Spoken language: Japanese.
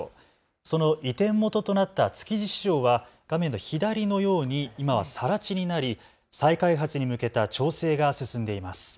その移転元となった築地市場は画面の左のように今はさら地になり再開発に向けた調整が進んでいます。